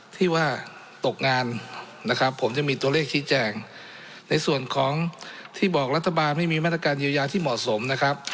ที่ว่าตกงานนะครับผมจะมีตัวเลขชี้แจงในส่วนของที่บอกรัฐบาลไม่มีมาตรการเยียวยาที่เหมาะสมนะครับ